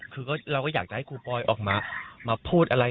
คือเราสังคมออนไลน์มาเรียกเราสักเท่าไหร่